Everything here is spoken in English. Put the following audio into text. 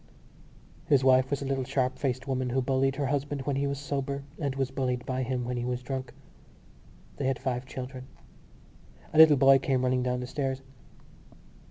His wife was a little sharp faced woman who bullied her husband when he was sober and was bullied by him when he was drunk. They had five children. A little boy came running down the stairs.